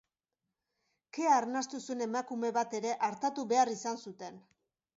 Kea arnastu zuen emakume bat ere artatu behar izan zuten.